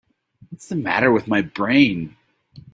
What's the matter with my brain?